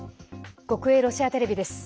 国営ロシアテレビです。